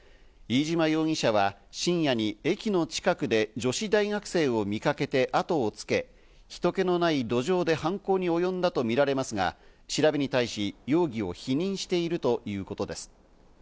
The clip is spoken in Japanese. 飯島容疑者は深夜に駅の近くで女子大学生を見かけて後をつけ、人けのない路上で犯行におよんだとみられますが、調べに対し、容疑を否認しているということです。